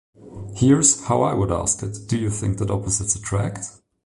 Here's how I would ask it: 'Do you think that opposites attract?